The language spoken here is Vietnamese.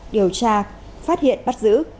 điều tra phát hiện bắt giữ